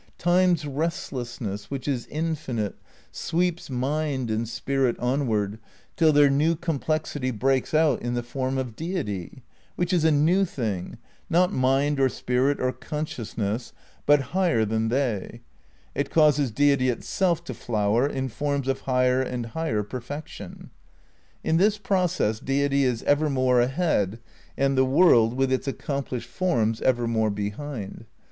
Time's restlessness, which is infinite, sweeps mind and spirit onward till their new complexity breaks out in the form of Deity, which is a new thing, not mind or spirit or conscious ness, but higher than they; it causes Deity itself to flower in forms of higher and higher perfection. In this process Deity is evermore ahead, and the world, with its accomplished forms, evermore behind.